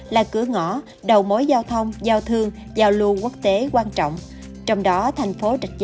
là cửa ngõ đầu mối giao thông giao thương giao lưu quốc tế quan trọng trong đó thành phố trạch